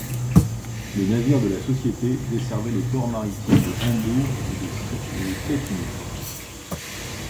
Les navires de la société desservaient les ports maritimes de Hambourg et de Stettin.